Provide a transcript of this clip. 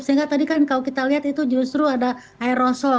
sehingga tadi kan kalau kita lihat itu justru ada aerosol